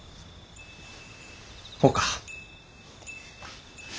ほうか。